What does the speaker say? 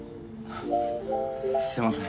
すみません。